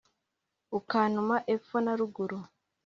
ukantuma epfo na ruguru